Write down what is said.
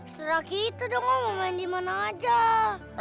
setelah kita dong mau main dimana aja